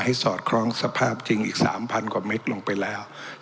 สอดคล้องสภาพจริงอีก๓๐๐กว่าเมตรลงไปแล้ว